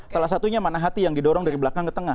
salah satunya manahati yang didorong dari belakang ke tengah